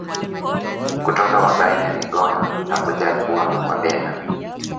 Kutoka Wabena Migoha na kuja kuwa Wabena